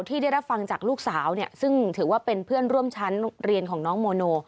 ที่ได้รับฟังจากลูกสาวเนี่ยซึ่งถือว่าเป็นเพื่อนร่วมชั้นเรียนของน้องโมโน